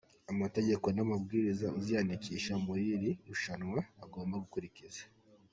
Amategeko n'amabwiriza uziyandikisha muri iri rushanwa agomba gukurikiza.